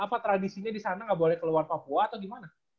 apa tradisinya disana gak boleh keluar papua atau gimana